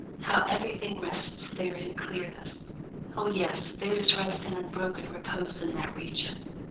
How everything rests there in clearness!" "Oh, yes, there is rest and unbroken repose in that region."